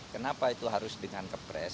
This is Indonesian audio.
kenapa itu harus dengan kepres